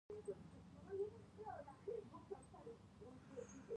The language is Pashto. د ملي پراختیا ستراتیژي شته؟